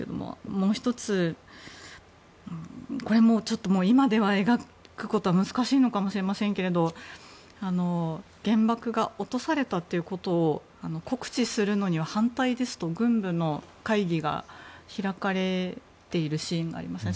もう１つこれも今では描くことは難しいのかもしれませんが原爆が落とされたということを告知するのには反対ですと、軍部の会議が開かれているシーンがありましたね。